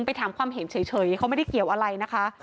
ไปถามความเห็นเฉยเขาไม่ได้เกี่ยวอะไรนะคะ